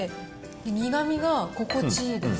苦みが心地いいです。